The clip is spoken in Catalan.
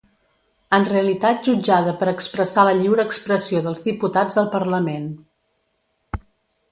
En realitat jutjada per expressar la lliure expressió dels diputats al parlament.